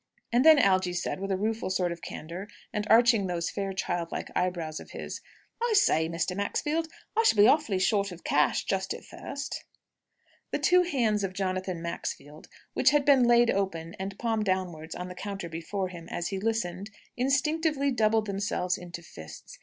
And then Algy said, with a rueful sort of candour, and arching those fair childlike eyebrows of his: "I say, Mr. Maxfield, I shall be awfully short of cash just at first!" The two hands of Jonathan Maxfield, which had been laid open, and palm downwards, on the counter before him, as he listened, instinctively doubled themselves into fists.